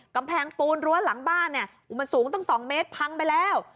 กำแพงปูนรั้วหลังบ้านเนี่ยอุมันสูงตั้ง๒เมตรพังไปแล้ว